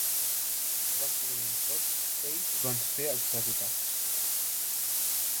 Pràcticament tots ells van ser executats.